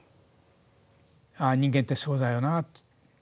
ああ、人間ってそうだよな。